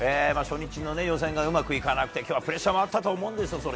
初日の予選がうまくいかなくて今日はプレッシャーもあったと思うんですよ。